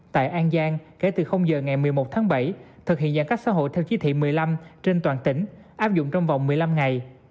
tại an giang kể từ giờ ngày một mươi một tháng bảy thực hiện giãn cách xã hội theo chí thị một mươi năm trên toàn tỉnh áp dụng trong vòng một mươi năm ngày